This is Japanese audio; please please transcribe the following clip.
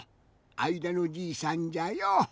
あいだのじいさんじゃよ。